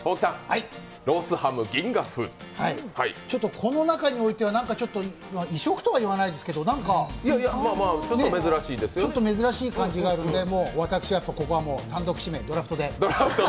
この中においては何かちょっと異色とは言わないですけどちょっと珍しい感じがあるので、私はここは単独指名、ドラフトで。